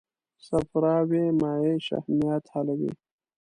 صفراوي مایع شحمیات حلوي.